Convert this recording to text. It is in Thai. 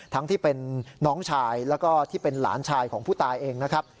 ทั้งที่เป็นน้องชายแล้วก็ที่เป็นหลานชายของผู้ตายเองนะครับ